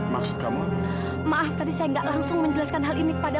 maksud kamu maaf tadi saya enggak langsung menjelaskan hal ini kepada